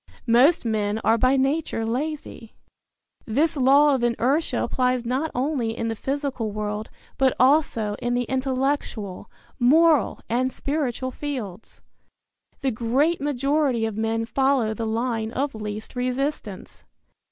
Most men are by nature lazy. This law of inertia applies not only in the physical world, but also in the intellectual, moral and spiritual fields. The great majority of men follow the line of least resistance.